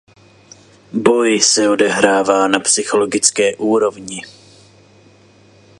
Boj se odehrává na psychologické úrovni.